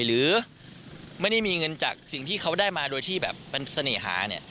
หรือไม่ได้มีเงินจากสิ่งที่เขาได้มาโดยที่แบบเป็นเสน่หาเนี่ย